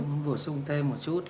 tôi muốn vừa xung thêm một chút